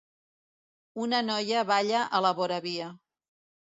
Una noia balla a la voravia.